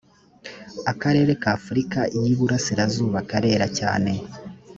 akarere k ‘afurika y ‘iburasirazuba karera cyane.